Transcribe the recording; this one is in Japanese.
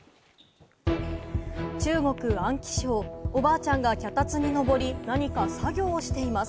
中国・安徽省、おばあちゃんが脚立にのぼり、何か作業をしています。